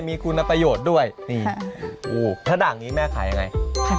มีคุณประโยชน์ด้วยนี่ถ้าด่างนี้แม่ขายยังไง